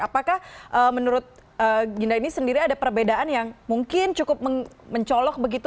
apakah menurut ginda ini sendiri ada perbedaan yang mungkin cukup mencolok begitu